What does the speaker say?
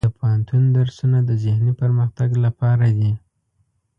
د پوهنتون درسونه د ذهني پرمختګ لپاره دي.